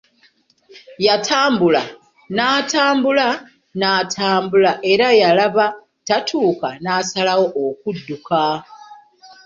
Yatambula, n’atambula, n’atambula era yalaba tatuuka n’asalawo okudduka.